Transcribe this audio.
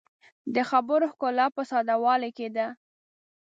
د خبرو ښکلا په ساده والي کې ده